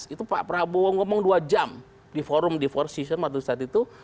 itu pak prabowo ngomong dua jam di forum di forcison waktu saat itu